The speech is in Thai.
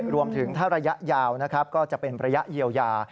รวมถึงถ้าระยะยาวนะครับก็จะเป็นระยะเยียวยา